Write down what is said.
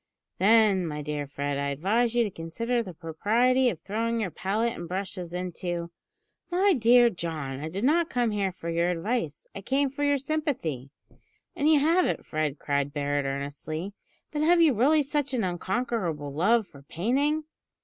"Then, my dear Fred, I advise you to consider the propriety of throwing your palette and brushes into " "My dear John, I did not come here for your advice. I came for your sympathy." "And you have it, Fred," cried Barret earnestly. "But have you really such an unconquerable love for painting?"